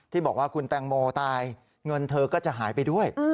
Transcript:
บอกว่าคุณแตงโมตายเงินเธอก็จะหายไปด้วย